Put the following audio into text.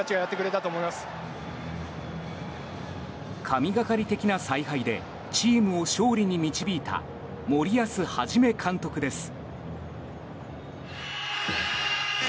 神がかり的な采配でチームを勝利に導いた森保一監督です。